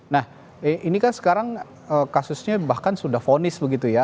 nah ini kan sekarang kasusnya bahkan sudah fonis begitu ya